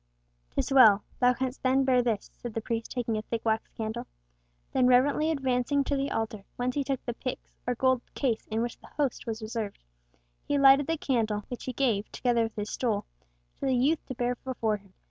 "'Tis well. Thou canst then bear this," said the priest, taking a thick wax candle. Then reverently advancing to the Altar, whence he took the pyx, or gold case in which the Host was reserved, he lighted the candle, which he gave, together with his stole, to the youth to bear before him.